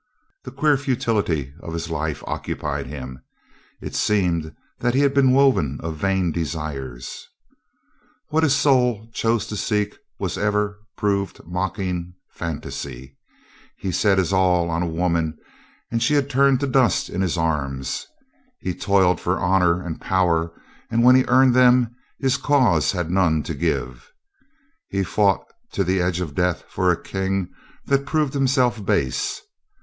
The queer futility of his life occupied him. It seemed that he had been woven of vain desires. THE KING LOOKS 345 What his soul chose to seek was ever proved mock ing fantasy. He set his all on a woman and she turned to dust in his arms. He toiled for honor and power and when he earned them his cause had none to give. He fought to the edge of death for a King that proved himself base.